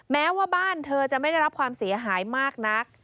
แม้ว่าบ้านเธอจะไม่ได้รับความเสียหายมากนัก